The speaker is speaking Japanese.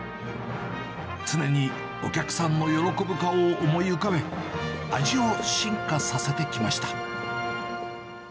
常にお客さんの喜ぶ顔を思い浮かべ、味を進化させてきました。